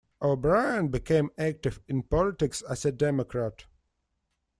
O'Brien became active in politics as a Democrat.